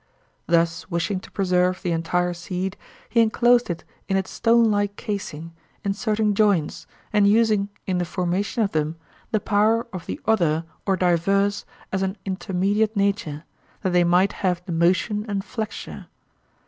Thus wishing to preserve the entire seed, he enclosed it in a stone like casing, inserting joints, and using in the formation of them the power of the other or diverse as an intermediate nature, that they might have motion and flexure.